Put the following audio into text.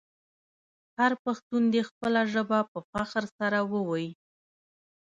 هر پښتون دې خپله ژبه په فخر سره وویې.